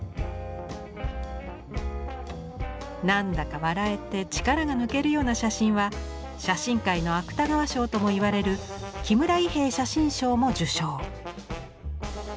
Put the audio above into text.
なんだか笑えて力が抜けるような写真は写真界の芥川賞ともいわれる木村伊兵衛写真賞も受賞。